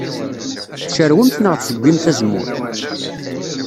Tcarwemt neɣ tzeggimt azemmur?